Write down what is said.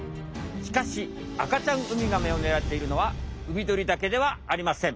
しかし赤ちゃんウミガメをねらっているのはウミドリだけではありません」。